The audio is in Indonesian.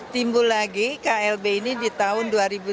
timbul lagi klb ini di tahun dua ribu sembilan